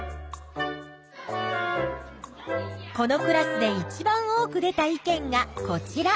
このクラスでいちばん多く出た意見がこちら。